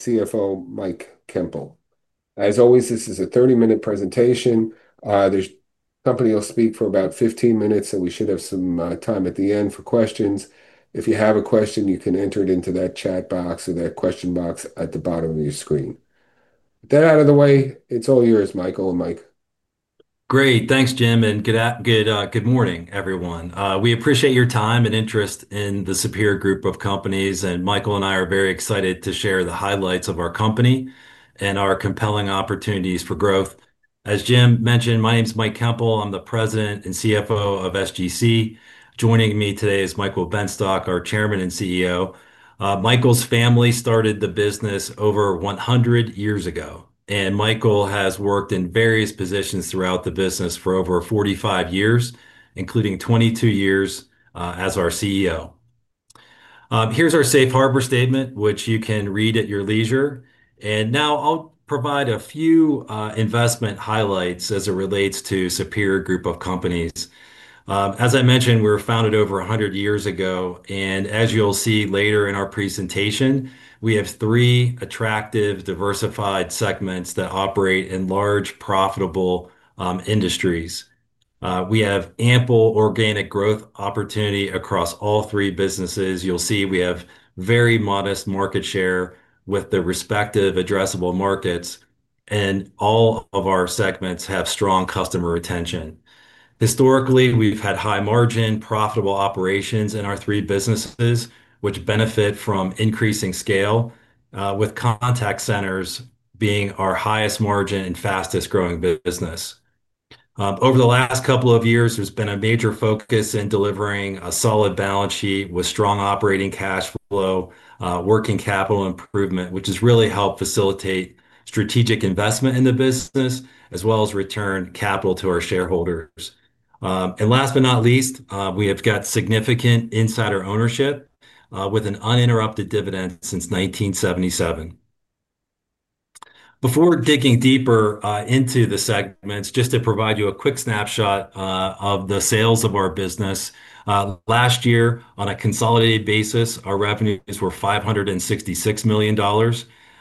CFO Mike Koempel. As always, this is a 30-minute presentation. The company will speak for about 15 minutes, and we should have some time at the end for questions. If you have a question, you can enter it into that chat box or that question box at the bottom of your screen. With that out of the way, it's all yours, Michael and Mike. Great. Thanks, Jim, and good morning, everyone. We appreciate your time and interest in the Superior Group of Companies, and Michael and I are very excited to share the highlights of our company and our compelling opportunities for growth. As Jim mentioned, my name is Mike Koempel. I'm the President and CFO of SGC. Joining me today is Michael Benstock, our Chairman and CEO. Michael's family started the business over 100 years ago, and Michael has worked in various positions throughout the business for over 45 years, including 22 years as our CEO. Here is our safe harbor statement, which you can read at your leisure. Now I'll provide a few investment highlights as it relates to Superior Group of Companies. As I mentioned, we were founded over 100 years ago, and as you'll see later in our presentation, we have three attractive, diversified segments that operate in large, profitable industries. We have ample organic growth opportunity across all three businesses. You'll see we have very modest market share with the respective addressable markets, and all of our segments have strong customer retention. Historically, we've had high margin, profitable operations in our three businesses, which benefit from increasing scale, with contact centers being our highest margin and fastest growing business. Over the last couple of years, there's been a major focus in delivering a solid balance sheet with strong operating cash flow, working capital improvement, which has really helped facilitate strategic investment in the business as well as return capital to our shareholders. Last but not least, we have got significant insider ownership with an uninterrupted dividend since 1977. Before digging deeper into the segments, just to provide you a quick snapshot of the sales of our business. Last year, on a consolidated basis, our revenues were $566 million,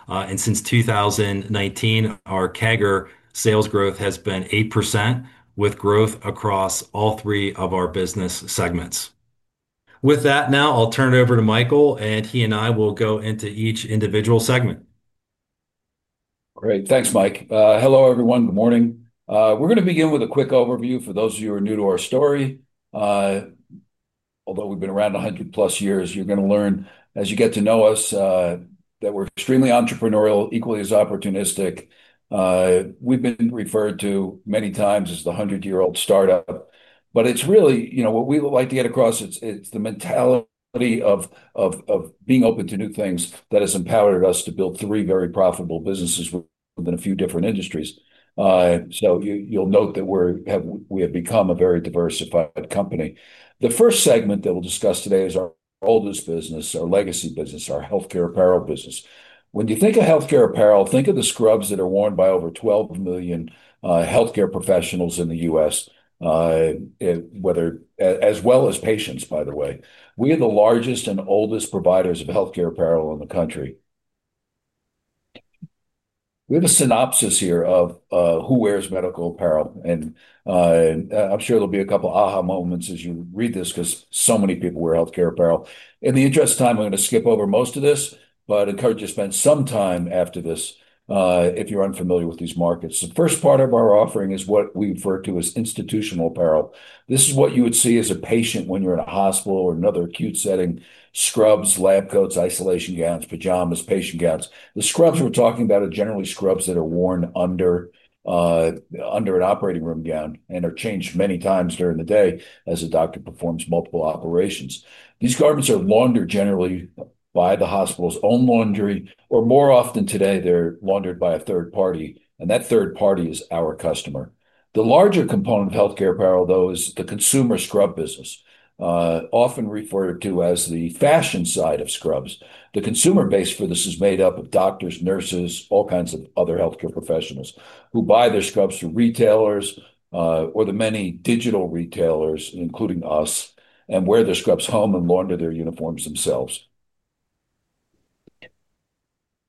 and since 2019, our CAGR sales growth has been 8%, with growth across all three of our business segments. With that, now I'll turn it over to Michael, and he and I will go into each individual segment. Great. Thanks, Mike. Hello, everyone. Good morning. We're going to begin with a quick overview for those of you who are new to our story. Although we've been around 100 plus years, you're going to learn as you get to know us that we're extremely entrepreneurial, equally as opportunistic. We've been referred to many times as the 100-year-old startup, but it's really what we like to get across, it's the mentality of being open to new things that has empowered us to build three very profitable businesses within a few different industries. You'll note that we have become a very diversified company. The first segment that we'll discuss today is our oldest business, our legacy business, our healthcare apparel business. When you think of healthcare apparel, think of the scrubs that are worn by over 12 million healthcare professionals in the U.S., as well as patients, by the way. We are the largest and oldest providers of healthcare apparel in the country. We have a synopsis here of who wears medical apparel, and I'm sure there'll be a couple of aha moments as you read this because so many people wear healthcare apparel. In the interest of time, I'm going to skip over most of this, but I encourage you to spend some time after this if you're unfamiliar with these markets. The first part of our offering is what we refer to as institutional apparel. This is what you would see as a patient when you're in a hospital or another acute setting: scrubs, lab coats, isolation gowns, pajamas, patient gowns. The scrubs we're talking about are generally scrubs that are worn under an operating room gown and are changed many times during the day as a doctor performs multiple operations. These garments are laundered generally by the hospital's own laundry, or more often today, they're laundered by a third party, and that third party is our customer. The larger component of healthcare apparel, though, is the consumer scrub business, often referred to as the fashion side of scrubs. The consumer base for this is made up of doctors, nurses, all kinds of other healthcare professionals who buy their scrubs through retailers or the many digital retailers, including us, and wear their scrubs home and launder their uniforms themselves.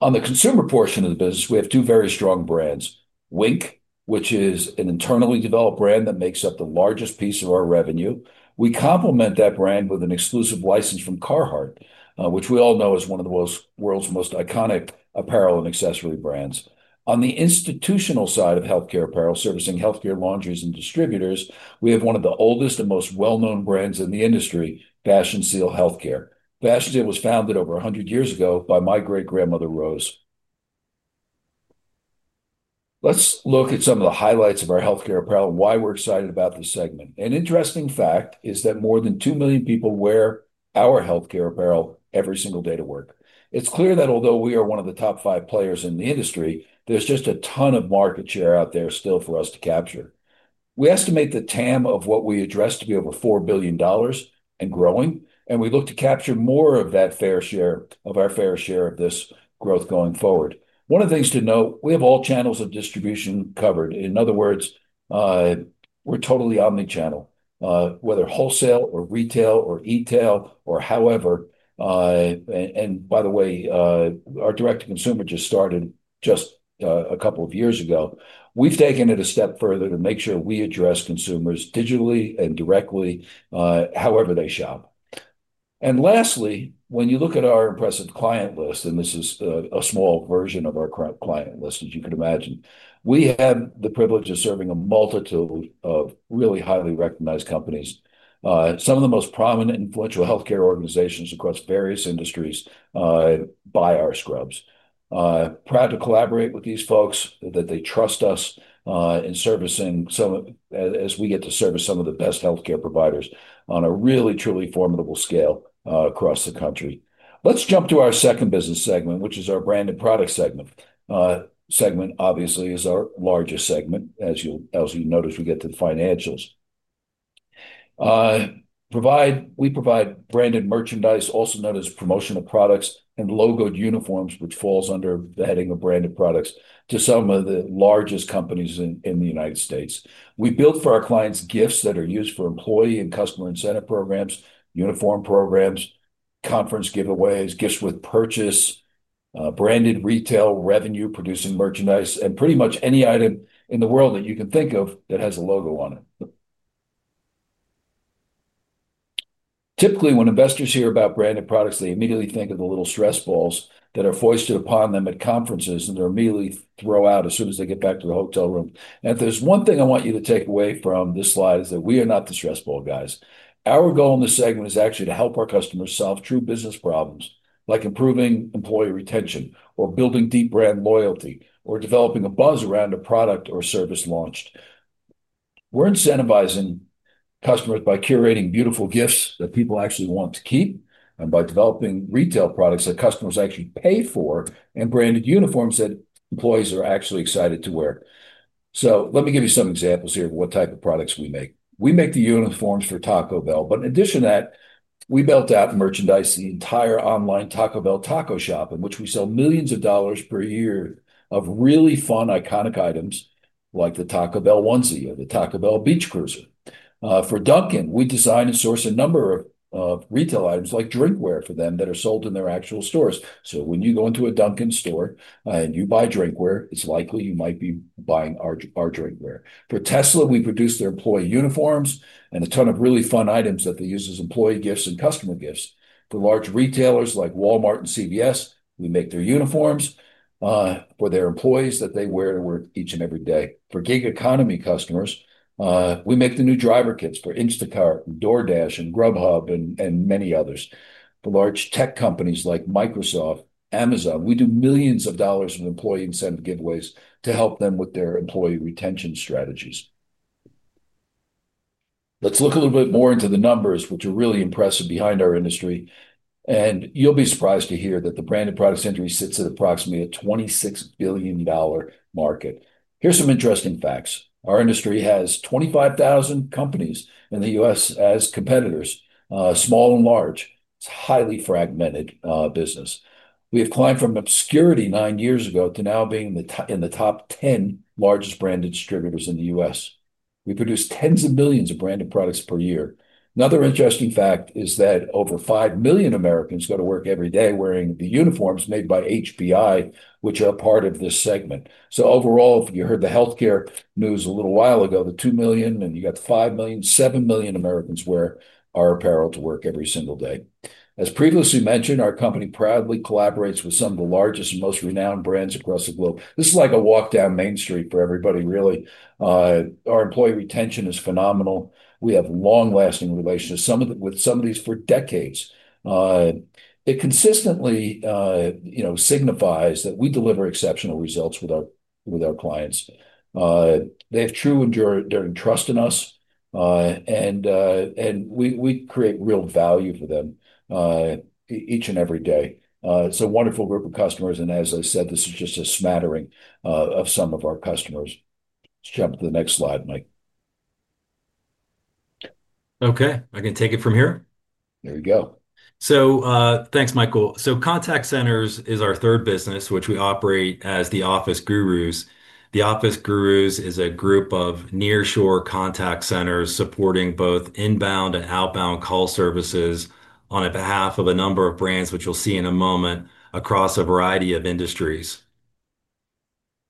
On the consumer portion of the business, we have two very strong brands: Wink, which is an internally developed brand that makes up the largest piece of our revenue. We complement that brand with an exclusive license from Carhartt, which we all know is one of the world's most iconic apparel and accessory brands. On the institutional side of healthcare apparel, servicing healthcare laundries and distributors, we have one of the oldest and most well-known brands in the industry: Fashion Seal Healthcare. Fashion Seal was founded over 100 years ago by my great-grandmother Rose. Let's look at some of the highlights of our healthcare apparel and why we're excited about this segment. An interesting fact is that more than 2 million people wear our healthcare apparel every single day to work. It's clear that although we are one of the top five players in the industry, there's just a ton of market share out there still for us to capture. We estimate the TAM of what we address to be over $4 billion and growing, and we look to capture more of that fair share of this growth going forward. One of the things to note, we have all channels of distribution covered. In other words, we're totally omnichannel, whether wholesale or retail or e-tail or however. By the way, our direct-to-consumer just started just a couple of years ago. We've taken it a step further to make sure we address consumers digitally and directly however they shop. Lastly, when you look at our impressive client list, and this is a small version of our client list, as you can imagine, we have the privilege of serving a multitude of really highly recognized companies. Some of the most prominent and influential healthcare organizations across various industries buy our scrubs. Proud to collaborate with these folks, that they trust us in servicing some of, as we get to service some of the best healthcare providers on a really, truly formidable scale across the country. Let's jump to our second business segment, which is our branded products segment. Segment, obviously, is our largest segment. As you'll notice, we get to the financials. We provide branded merchandise, also known as promotional products, and logoed uniforms, which falls under the heading of branded products, to some of the largest companies in the United States. We build for our clients gifts that are used for employee and customer incentive programs, uniform programs, conference giveaways, gifts with purchase, branded retail revenue-producing merchandise, and pretty much any item in the world that you can think of that has a logo on it. Typically, when investors hear about branded products, they immediately think of the little stress balls that are foisted upon them at conferences, and they're immediately thrown out as soon as they get back to the hotel room. If there's one thing I want you to take away from this slide, it is that we are not the stress ball guys. Our goal in this segment is actually to help our customers solve true business problems, like improving employee retention, building deep brand loyalty, or developing a buzz around a product or service launch. We're incentivizing customers by curating beautiful gifts that people actually want to keep and by developing retail products that customers actually pay for and branded uniforms that employees are actually excited to wear. Let me give you some examples here of what type of products we make. We make the uniforms for Taco Bell, but in addition to that, we built out merchandise for the entire online Taco Bell Taco Shop, in which we sell millions of dollars per year of really fun, iconic items like the Taco Bell onesie or the Taco Bell beach cruiser. For Dunkin', we design and source a number of retail items like drinkware for them that are sold in their actual stores. When you go into a Dunkin' store and you buy drinkware, it's likely you might be buying our drinkware. For Tesla, we produce their employee uniforms and a ton of really fun items that they use as employee gifts and customer gifts. For large retailers like Walmart and CVS, we make their uniforms for their employees that they wear each and every day. For gig economy customers, we make the new driver kits for Instacart, DoorDash, Grubhub, and many others. For large tech companies like Microsoft and Amazon, we do millions of dollars in employee incentive giveaways to help them with their employee retention strategies. Let's look a little bit more into the numbers, which are really impressive behind our industry, and you'll be surprised to hear that the branded products industry sits at approximately a $26 billion market. Here are some interesting facts. Our industry has 25,000 companies in the U.S. as competitors, small and large. It's a highly fragmented business. We have climbed from obscurity nine years ago to now being in the top 10 largest branded distributors in the U.S. We produce tens of millions of branded products per year. Another interesting fact is that over 5 million Americans go to work every day wearing the uniforms made by Superior Group of Companies, which are a part of this segment. Overall, if you heard the healthcare news a little while ago, the 2 million and you got the 5 million, 7 million Americans wear our apparel to work every single day. As previously mentioned, our company proudly collaborates with some of the largest and most renowned brands across the globe. This is like a walk down Main Street for everybody, really. Our employee retention is phenomenal. We have long-lasting relationships with some of our clients for decades. It consistently signifies that we deliver exceptional results with our clients. They have true enduring trust in us, and we create real value for them each and every day. It's a wonderful group of customers, and as I said, this is just a smattering of some of our customers. Let's jump to the next slide, Mike. Okay, I can take it from here. Here we go. Thanks, Michael. Contact centers is our third business, which we operate as The Office Gurus. The Office Gurus is a group of nearshore contact centers supporting both inbound and outbound call services on behalf of a number of brands, which you'll see in a moment, across a variety of industries.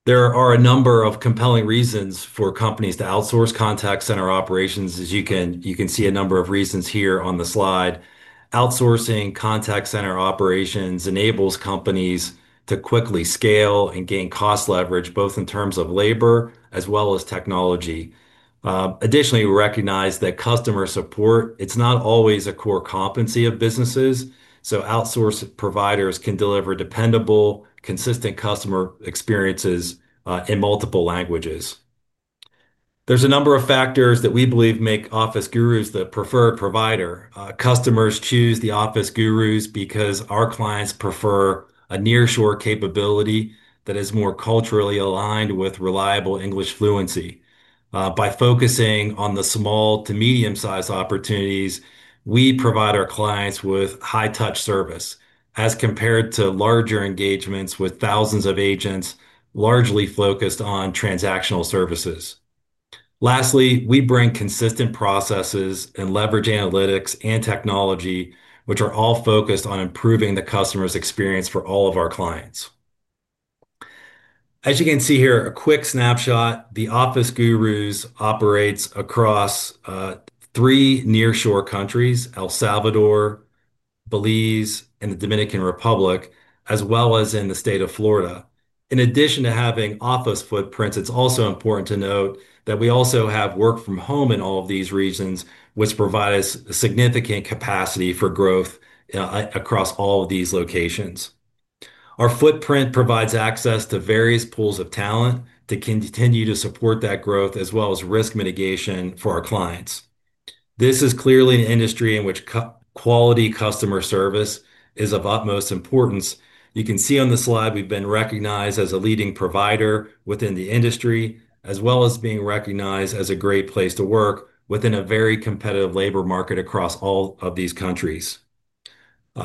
There are a number of compelling reasons for companies to outsource contact center operations, as you can see a number of reasons here on the slide. Outsourcing contact center operations enables companies to quickly scale and gain cost leverage, both in terms of labor as well as technology. Additionally, we recognize that customer support is not always a core competency of businesses, so outsourced providers can deliver dependable, consistent customer experiences in multiple languages. There's a number of factors that we believe make The Office Gurus the preferred provider. Customers choose The Office Gurus because our clients prefer a nearshore capability that is more culturally aligned with reliable English fluency. By focusing on the small to medium-sized opportunities, we provide our clients with high-touch service as compared to larger engagements with thousands of agents largely focused on transactional services. Lastly, we bring consistent processes and leverage analytics and technology, which are all focused on improving the customer's experience for all of our clients. As you can see here, a quick snapshot, The Office Gurus operates across three nearshore countries: El Salvador, Belize, and the Dominican Republic, as well as in the state of Florida. In addition to having office footprints, it's also important to note that we also have work from home in all of these regions, which provide us significant capacity for growth across all of these locations. Our footprint provides access to various pools of talent to continue to support that growth, as well as risk mitigation for our clients. This is clearly an industry in which quality customer service is of utmost importance. You can see on the slide we've been recognized as a leading provider within the industry, as well as being recognized as a great place to work within a very competitive labor market across all of these countries.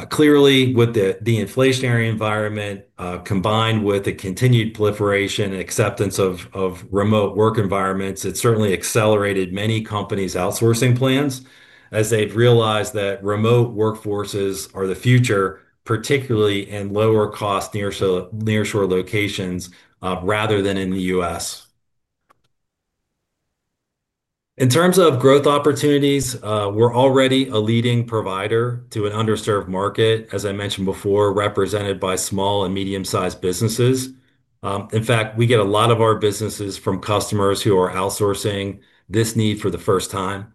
Clearly, with the inflationary environment combined with the continued proliferation and acceptance of remote work environments, it's certainly accelerated many companies' outsourcing plans as they've realized that remote workforces are the future, particularly in lower-cost nearshore locations rather than in the U.S. In terms of growth opportunities, we're already a leading provider to an underserved market, as I mentioned before, represented by small and medium-sized businesses. In fact, we get a lot of our business from customers who are outsourcing this need for the first time.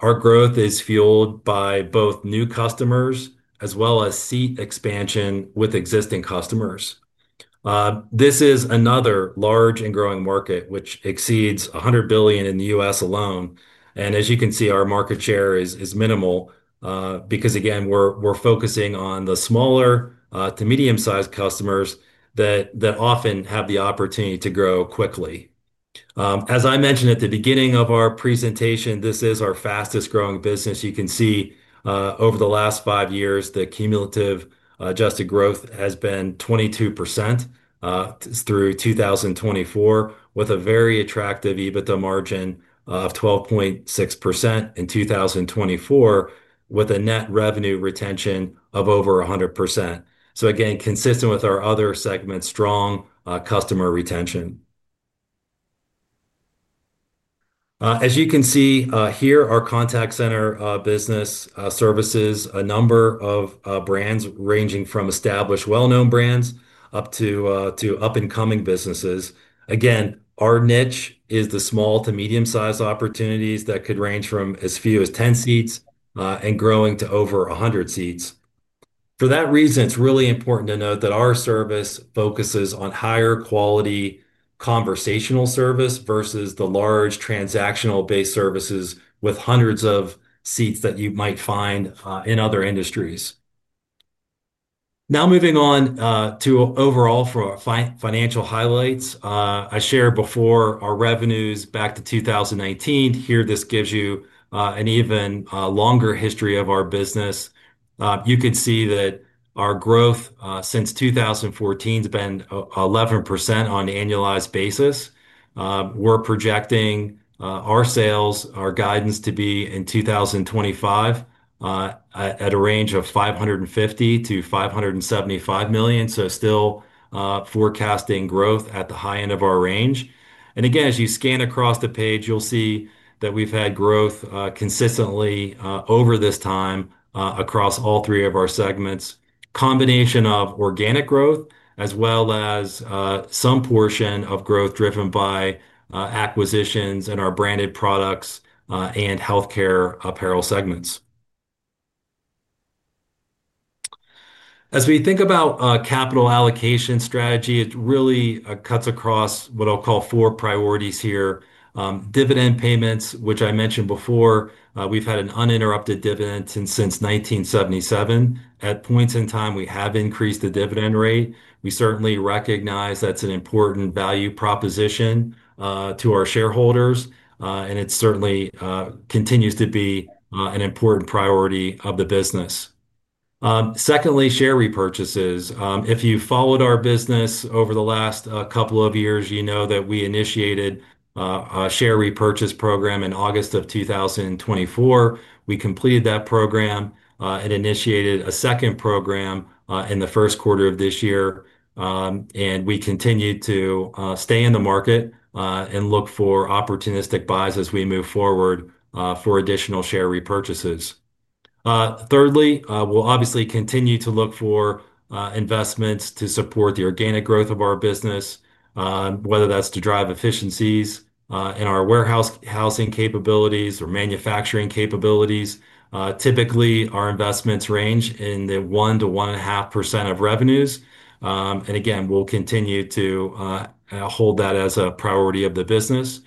Our growth is fueled by both new customers as well as seat expansion with existing customers. This is another large and growing market, which exceeds $100 billion in the U.S. alone. As you can see, our market share is minimal because, again, we're focusing on the smaller to medium-sized customers that often have the opportunity to grow quickly. As I mentioned at the beginning of our presentation, this is our fastest growing business. You can see over the last five years, the cumulative adjusted growth has been 22% through 2024, with a very attractive EBITDA margin of 12.6% in 2024, with a net revenue retention of over 100%. Again, consistent with our other segments, strong customer retention. As you can see here, our contact center services business services a number of brands ranging from established well-known brands up to up-and-coming businesses. Again, our niche is the small to medium-sized opportunities that could range from as few as 10 seats and growing to over 100 seats. For that reason, it's really important to note that our service focuses on higher quality conversational service versus the large transactional-based services with hundreds of seats that you might find in other industries. Now moving on to overall for our financial highlights. I shared before our revenues back to 2019. Here, this gives you an even longer history of our business. You can see that our growth since 2014 has been 11% on an annualized basis. We're projecting our sales, our guidance to be in 2025 at a range of $550 to $575 million, still forecasting growth at the high end of our range. As you scan across the page, you'll see that we've had growth consistently over this time across all three of our segments, a combination of organic growth as well as some portion of growth driven by acquisitions in our branded products and healthcare apparel segments. As we think about capital allocation strategy, it really cuts across what I'll call four priorities here: dividend payments, which I mentioned before. We've had an uninterrupted dividend since 1977. At points in time, we have increased the dividend rate. We certainly recognize that's an important value proposition to our shareholders, and it certainly continues to be an important priority of the business. Secondly, share repurchases. If you followed our business over the last couple of years, you know that we initiated a share repurchase program in August of 2024. We completed that program and initiated a second program in the first quarter of this year, and we continue to stay in the market and look for opportunistic buys as we move forward for additional share repurchases. Thirdly, we'll obviously continue to look for investments to support the organic growth of our business, whether that's to drive efficiencies in our warehousing capabilities or manufacturing capabilities. Typically, our investments range in the 1% to 1.5% of revenues, and again, we'll continue to hold that as a priority of the business.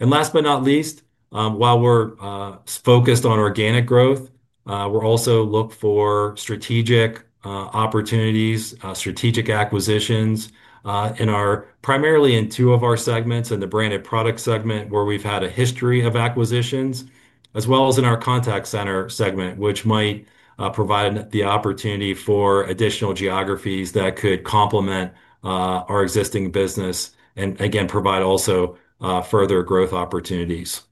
Last but not least, while we're focused on organic growth, we'll also look for strategic opportunities, strategic acquisitions primarily in two of our segments: in the branded products segment, where we've had a history of acquisitions, as well as in our contact center services segment, which might provide the opportunity for additional geographies that could complement our existing business and again provide also further growth opportunities.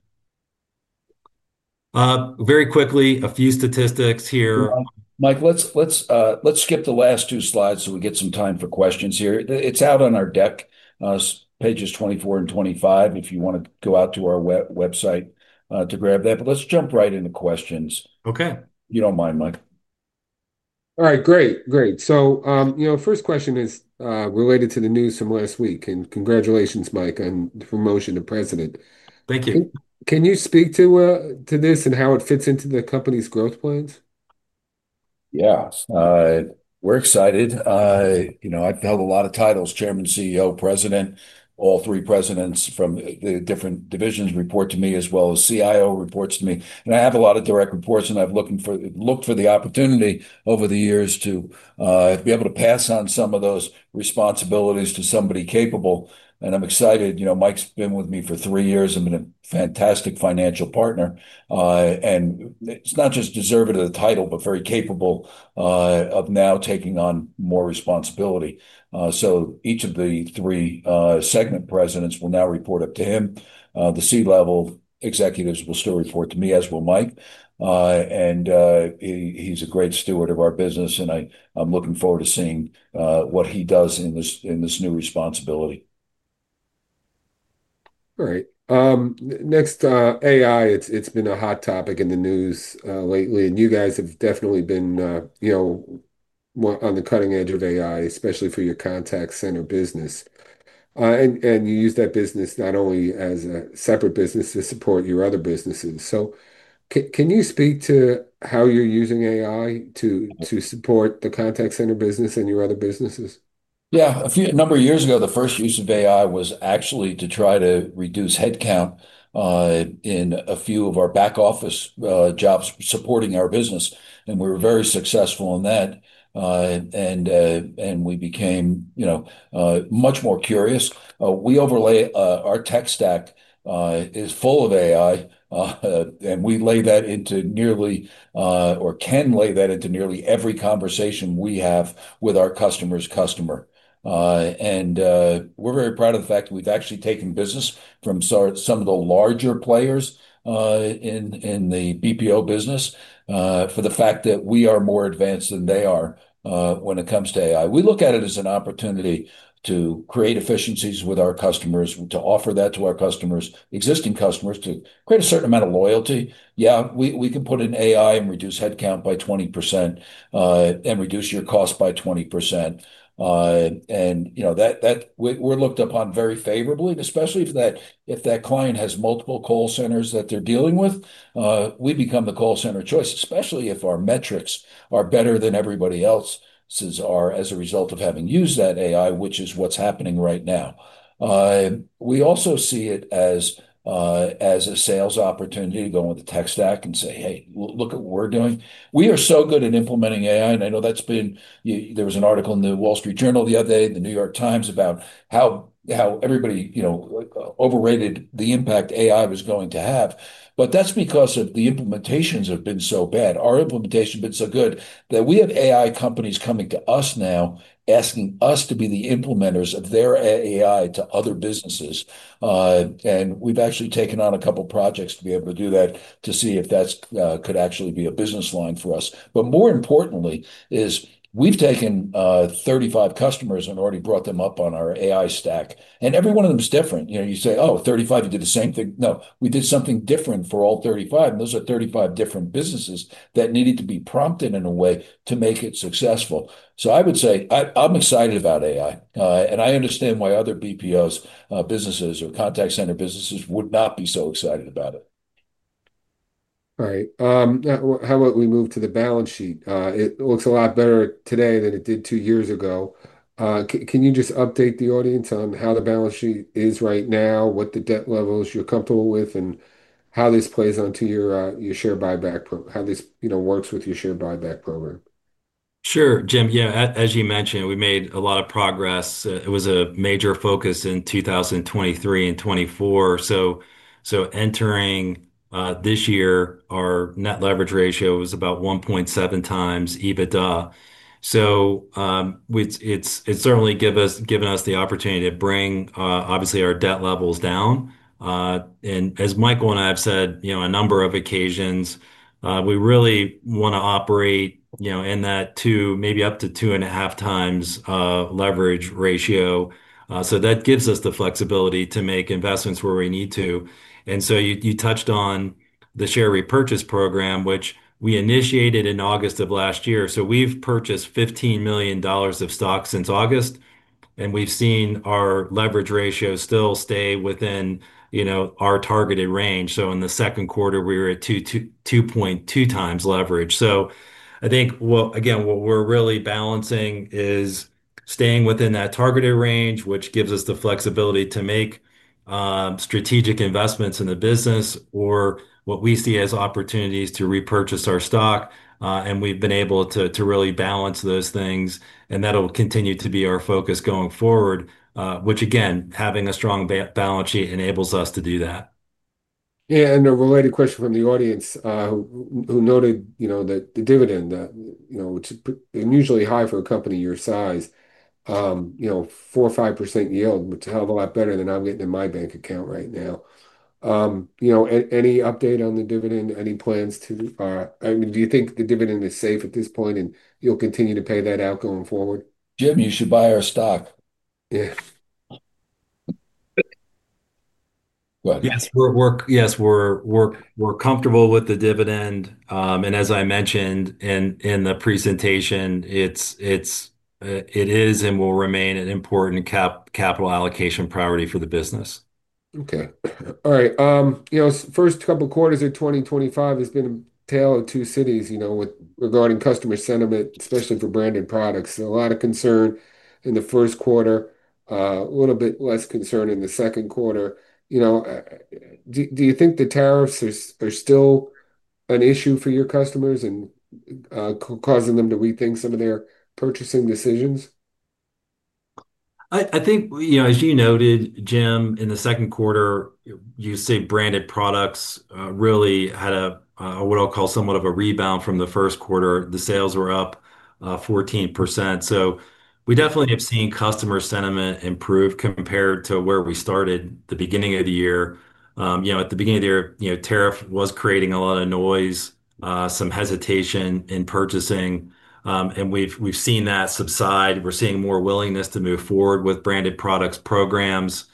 Very quickly, a few statistics here. Mike, let's skip the last two slides so we get some time for questions here. It's out on our deck, pages 24 and 25, if you want to go out to our website to grab that. Let's jump right into questions. Okay. If you don't mind, Mike. All right, great. The first question is related to the news from last week, and congratulations, Mike, on the promotion to President. Thank you. Can you speak to this and how it fits into the company's growth plans? Yeah, we're excited. You know, I've held a lot of titles: Chairman, CEO, President. All three Presidents from the different divisions report to me, as well as CIO reports to me. I have a lot of direct reports, and I've looked for the opportunity over the years to be able to pass on some of those responsibilities to somebody capable. I'm excited. Mike's been with me for three years and been a fantastic financial partner. It's not just deserving of the title, but very capable of now taking on more responsibility. Each of the three segment Presidents will now report up to him. The C-level executives will still report to me, as will Mike. He's a great steward of our business, and I'm looking forward to seeing what he does in this new responsibility. Great. Next, AI. It's been a hot topic in the news lately, and you guys have definitely been on the cutting edge of AI, especially for your contact center services business. You use that business not only as a separate business to support your other businesses. Can you speak to how you're using AI to support the contact center services business and your other businesses? Yeah, a number of years ago, the first use of AI was actually to try to reduce headcount in a few of our back office jobs supporting our business. We were very successful in that. We became, you know, much more curious. We overlay our tech stack is full of AI, and we lay that into nearly, or can lay that into nearly every conversation we have with our customer's customer. We're very proud of the fact that we've actually taken business from some of the larger players in the BPO business for the fact that we are more advanced than they are when it comes to AI. We look at it as an opportunity to create efficiencies with our customers, to offer that to our customers, existing customers, to create a certain amount of loyalty. Yeah, we can put in AI and reduce headcount by 20% and reduce your cost by 20%. You know that we're looked upon very favorably, especially if that client has multiple call centers that they're dealing with. We become the call center of choice, especially if our metrics are better than everybody else's as a result of having used that AI, which is what's happening right now. We also see it as a sales opportunity to go on the tech stack and say, "Hey, look at what we're doing." We are so good at implementing AI, and I know that's been, there was an article in The Wall Street Journal the other day and The New York Times about how everybody, you know, overrated the impact AI was going to have. That's because the implementations have been so bad. Our implementation has been so good that we have AI companies coming to us now, asking us to be the implementers of their AI to other businesses. We've actually taken on a couple of projects to be able to do that to see if that could actually be a business line for us. More importantly, we've taken 35 customers and already brought them up on our AI stack. Every one of them is different. You know, you say, "Oh, 35, you did the same thing." No, we did something different for all 35. Those are 35 different businesses that needed to be prompted in a way to make it successful. I would say I'm excited about AI, and I understand why other BPOs businesses or contact center businesses would not be so excited about it. All right. Now, how about we move to the balance sheet? It looks a lot better today than it did two years ago. Can you just update the audience on how the balance sheet is right now, what the debt levels you're comfortable with, and how this plays onto your share buyback program, how this, you know, works with your share buyback program? Sure, Jim, as you mentioned, we made a lot of progress. It was a major focus in 2023 and 2024. Entering this year, our net leverage ratio was about 1.7 times EBITDA. It's certainly given us the opportunity to bring, obviously, our debt levels down. As Michael and I have said, you know, on a number of occasions, we really want to operate, you know, in that two, maybe up to 2.5 times leverage ratio. That gives us the flexibility to make investments where we need to. You touched on the share repurchase program, which we initiated in August of last year. We've purchased $15 million of stock since August, and we've seen our leverage ratio still stay within, you know, our targeted range. In the second quarter, we were at 2.2 times leverage. I think, again, what we're really balancing is staying within that targeted range, which gives us the flexibility to make strategic investments in the business or what we see as opportunities to repurchase our stock. We've been able to really balance those things, and that'll continue to be our focus going forward, which, again, having a strong balance sheet enables us to do that. Yeah. A related question from the audience noted that the dividend, which is unusually high for a company your size, 4% or 5% yield, which is a hell of a lot better than I'm getting in my bank account right now. Any update on the dividend? Any plans to, I mean, do you think the dividend is safe at this point and you'll continue to pay that out going forward? Jim, you should buy our stock. Yes. What? Yes, we're comfortable with the dividend, and as I mentioned in the presentation, it is and will remain an important capital allocation priority for the business. Okay. All right. You know, the first couple of quarters of 2025 has been a tale of two cities, you know, regarding customer sentiment, especially for branded products. A lot of concern in the first quarter, a little bit less concern in the second quarter. Do you think the tariffs are still an issue for your customers and causing them to rethink some of their purchasing decisions? I think, you know, as you noted, Jim, in the second quarter, you see branded products really had a, what I'll call, somewhat of a rebound from the first quarter. The sales were up 14%. We definitely have seen customer sentiment improve compared to where we started the beginning of the year. At the beginning of the year, tariff was creating a lot of noise, some hesitation in purchasing, and we've seen that subside. We're seeing more willingness to move forward with branded products programs.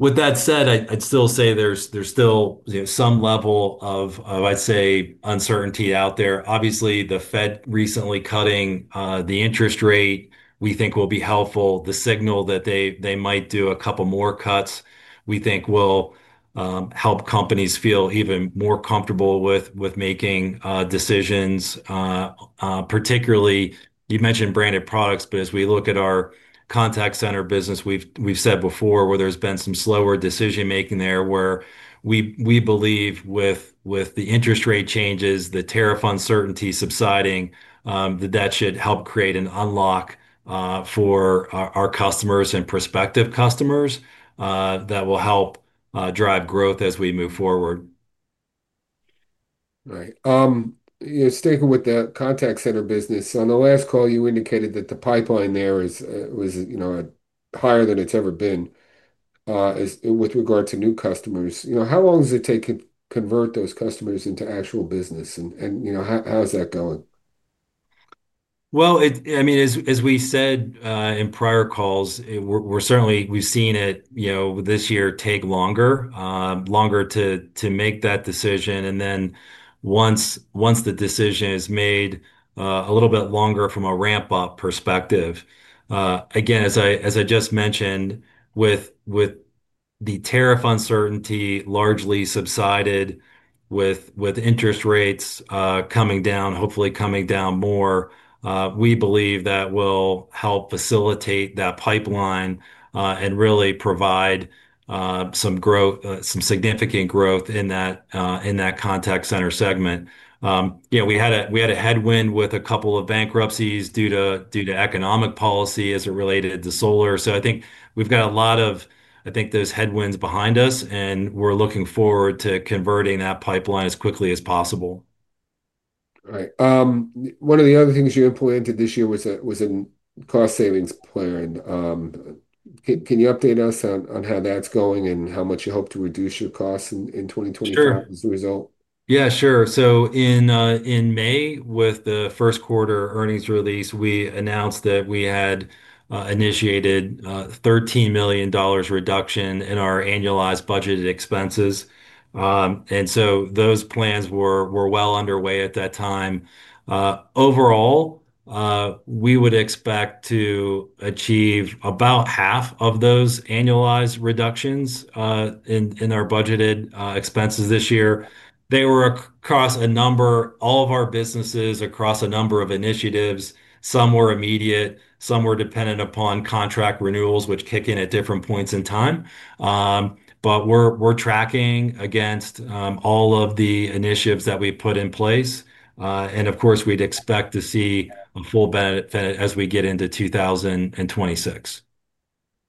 With that said, I'd still say there's still some level of, I'd say, uncertainty out there. Obviously, the Fed recently cutting the interest rate we think will be helpful. The signal that they might do a couple more cuts we think will help companies feel even more comfortable with making decisions, particularly you mentioned branded products. As we look at our contact center business, we've said before where there's been some slower decision-making there, where we believe with the interest rate changes, the tariff uncertainty subsiding, that that should help create an unlock for our customers and prospective customers that will help drive growth as we move forward. Right. Sticking with the contact center services business, on the last call, you indicated that the pipeline there was higher than it's ever been with regard to new customers. How long does it take to convert those customers into actual business? How's that going? As we said in prior calls, we've certainly seen it this year take longer to make that decision. Once the decision is made, it takes a little bit longer from a ramp-up perspective. As I just mentioned, with the tariff uncertainty largely subsided and with interest rates coming down, hopefully coming down more, we believe that will help facilitate that pipeline and really provide some growth, some significant growth in that contact center segment. We had a headwind with a couple of bankruptcies due to economic policies as it related to solar. I think we've got a lot of those headwinds behind us, and we're looking forward to converting that pipeline as quickly as possible. All right. One of the other things you implemented this year was a cost-savings plan. Can you update us on how that's going and how much you hope to reduce your costs in 2025 as a result? Yeah, sure. In May, with the first quarter earnings release, we announced that we had initiated a $13 million reduction in our annualized budgeted expenses. Those plans were well underway at that time. Overall, we would expect to achieve about half of those annualized reductions in our budgeted expenses this year. They were across all of our businesses across a number of initiatives. Some were immediate, some were dependent upon contract renewals, which kick in at different points in time. We are tracking against all of the initiatives that we put in place. Of course, we'd expect to see a full benefit as we get into 2026.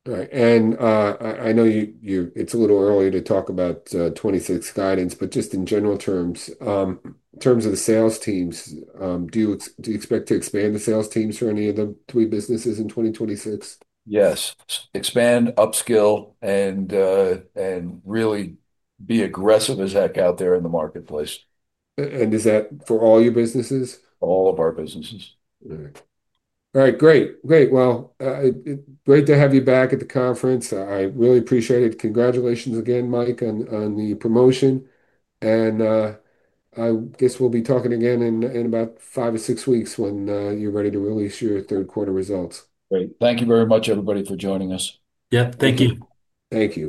All right. I know it's a little early to talk about 2026 guidance, but just in general terms, in terms of the sales teams, do you expect to expand the sales teams for any of the three businesses in 2026? Yes, expand, upskill, and really be aggressive as heck out there in the marketplace. Is that for all your businesses? All of our businesses. All right. Great. Great. It's great to have you back at the conference. I really appreciate it. Congratulations again, Mike, on the promotion. I guess we'll be talking again in about five or six weeks when you're ready to release your third quarter results. Great. Thank you very much, everybody, for joining us. Yeah, thank you. Thank you.